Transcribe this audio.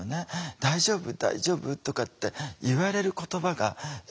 「大丈夫？大丈夫？」とかって言われる言葉が「え？